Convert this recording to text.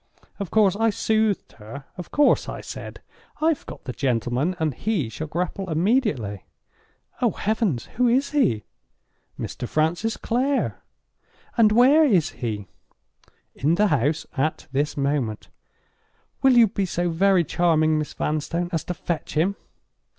Of course I soothed her. Of course I said: 'I've got the gentleman, and he shall grapple immediately.'—'Oh heavens! who is he?'—'Mr. Francis Clare.'—'And where is he?'—'In the house at this moment.'—'Will you be so very charming, Miss Vanstone, as to fetch him?